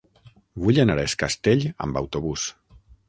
Vull anar a Es Castell amb autobús.